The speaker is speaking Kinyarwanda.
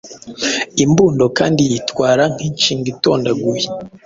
Imbundo kandi yitwara nk’inshinga itondaguye: